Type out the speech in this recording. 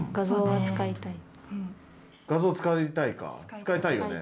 使いたいよね